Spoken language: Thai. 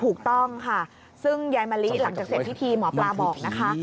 ถูกต้องค่ะซึ่งยายมะลิหลังจากเสร็จพิธีหมอปลาบอกนะคะ